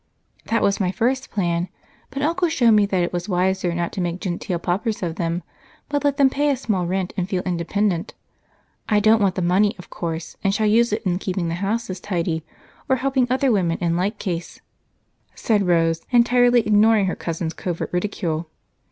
"That was my first plan, but Uncle showed me that it was wiser not make genteel paupers of them, but let them pay a small rent and feel independent. I don't want the money, of course, and shall use it in keeping the houses tidy or helping other women in like case," said Rose, entirely ignoring her cousin's covert ridicule.